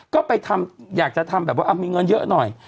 ก็ไปทำอยากจะทำแบบว่ามีเงินเยอะหน่อย